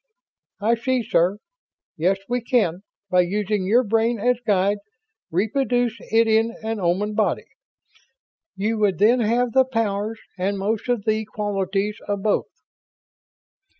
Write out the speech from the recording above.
"I see, sir. Yes, we can, by using your brain as Guide, reproduce it in an Oman body. You would then have the powers and most of the qualities of both